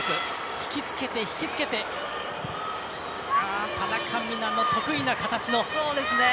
ひきつけて、ひきつけて田中美南の得意な形の。